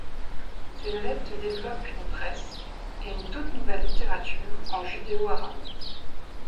Ses adeptes développent une presse et une toute nouvelle littérature en judéo-arabe.